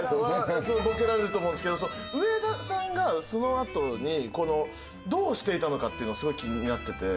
ボケられると思うんですけど上田さんがそのあとにどうしていたのかっていうのがすごく気になっていて。